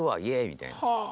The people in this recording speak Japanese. みたいな。